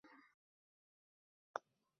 Qani, keling!